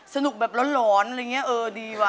สนุกแบบหลอนอะไรอย่างนี้เออดีว่